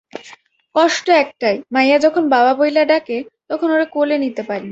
কষ্ট একটাই—মাইয়া যখন বাবা বইল্যা ডাকে, তখন ওরে কোলে নিতে পারি না।